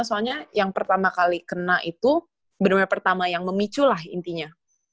soalnya yang pertama kali kena itu benar benar pertama yang memicu lah intinya